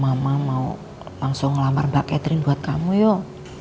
mama mau langsung ngelamar mbak catherine buat kamu yuk